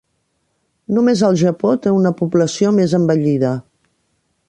Només el Japó té una població més envellida.